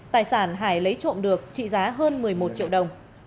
tài sản hải lấy trộm được trị giá hơn một mươi một triệu đồng